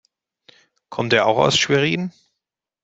Kommt er auch aus Schwerin?